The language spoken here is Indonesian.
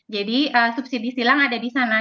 jadi subsidi silang ada di sana